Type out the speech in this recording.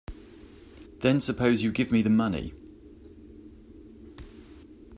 Then suppose you give me the money.